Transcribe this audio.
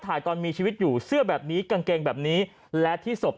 ตอนมีชีวิตอยู่เสื้อแบบนี้กางเกงแบบนี้และที่ศพ